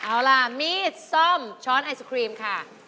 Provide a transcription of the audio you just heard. เอาล่ะมีดส้มช้อนไอศครีมค่ะ